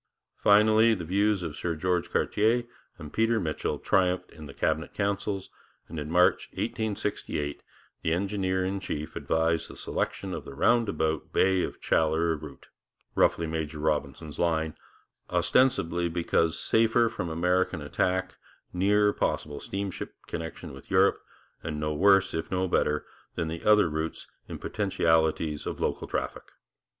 Finally, the views of Sir George Cartier and Peter Mitchell triumphed in the Cabinet councils, and in March 1868 the engineer in chief advised the selection of the roundabout Bay of Chaleurs route roughly 'Major Robinson's line' ostensibly because safer from American attack, nearer possible steamship connection with Europe, and no worse, if no better, than the other routes in potentialities of local traffic.